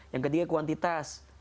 yang ketiga kuantitas